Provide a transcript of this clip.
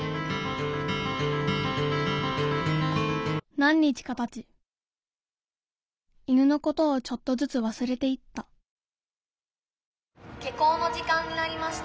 何日かたち犬のことをちょっとずつわすれていった「下校の時間になりました。